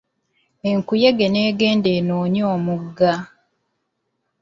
Enkuyege n'egenda enoonye omugga.